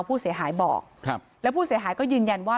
ผู้เสียหายบอกครับแล้วผู้เสียหายก็ยืนยันว่า